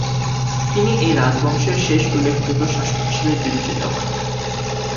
তিনি এই রাজবংশের শেষ উল্লেখযোগ্য শাসক হিসেবে বিবেচিত হন।